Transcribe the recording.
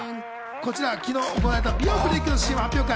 こちら昨日行われた美容クリニックのＣＭ発表会。